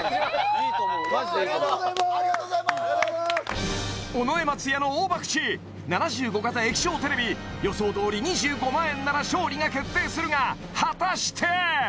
いいと思うマジでいいと思うありがとうございます尾上松也の大ばくち７５型液晶テレビ予想どおり２５万円なら勝利が決定するが果たして？